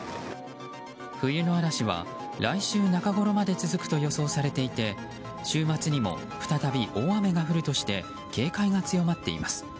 冬の嵐は来週中ごろまで続くと予想されていて週末にも再び大雨が降るとして警戒が強まっています。